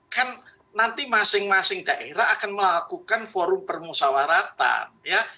kan nanti masing masing daerah akan melakukan forum permusawaratan ya